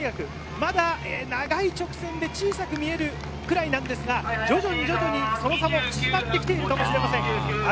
まだ長い直線で小さく見えるくらいですが徐々にその差も縮まってきているかもしれません。